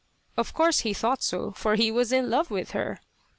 Of course he thought so, for he was in love with her.